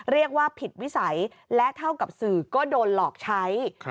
เรียกว่าผิดวิสัยและเท่ากับสื่อก็โดนหลอกใช้